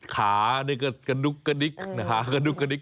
ขากระดุกกระดิกขากระดุกกระดิก